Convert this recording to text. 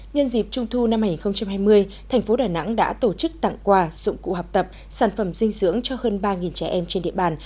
nhân dịp trung thu năm hai nghìn hai mươi thành phố đà nẵng đã tổ chức tặng quà dụng cụ học tập sản phẩm dinh dưỡng cho hơn ba trẻ em trên địa bàn